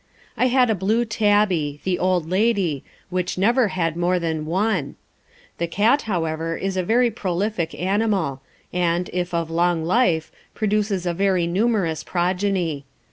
I had a blue tabby, "The Old Lady," which never had more than one. The cat, however, is a very prolific animal, and, if of long life, produces a very numerous progeny.